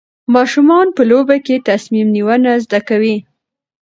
ماشومان په لوبو کې تصمیم نیونه زده کوي.